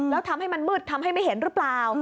แล้วทำให้มันมืดทำให้ไม่เห็นหรือเปล่า